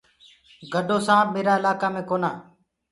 گَڊو سآنپ مهرآ ايِلآڪآ مي ڪونآ۔